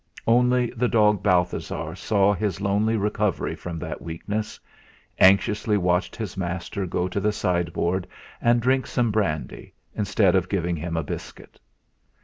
Only the dog Balthasar saw his lonely recovery from that weakness; anxiously watched his master go to the sideboard and drink some brandy, instead of giving him a biscuit.